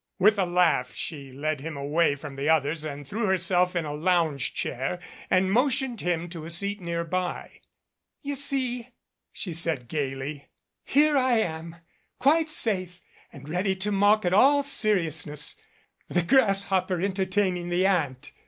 With a laugh she led him away from the others and threw herself in a lounge chair and motioned him to a seat nearby. "You see," she said gaily, "here I am quite safe and ready to mock at all seriousness the grasshopper entertaining the ant.